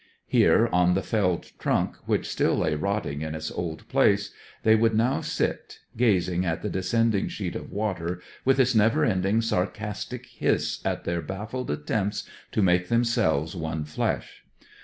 Here on the felled trunk, which still lay rotting in its old place, they would now sit, gazing at the descending sheet of water, with its never ending sarcastic hiss at their baffled attempts to make themselves one flesh.